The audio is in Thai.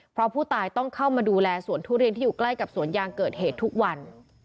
เพราะผู้ตายต้องเข้ามาดูแลสวนทุเรียนที่อยู่ใกล้กับสวนยางเกิดเหตุทุกวัน